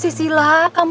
yakin kita lebih ocd